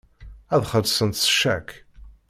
Ad xellṣent s ccak.